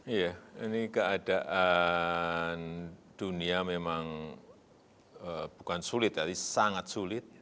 iya ini keadaan dunia memang bukan sulit tapi sangat sulit